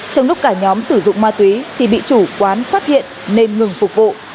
trong lúc cả nhóm sử dụng ma túy thì bị chủ quán phát hiện nên ngừng phục vụ